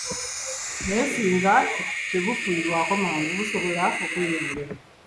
Naye singa tebufiibwako mangu, busobola okweyongera.